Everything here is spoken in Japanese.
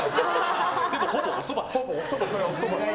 でも、ほぼおそばだ。